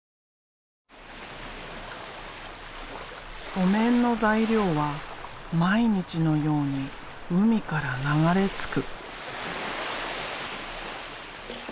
お面の材料は毎日のように海から流れ着く。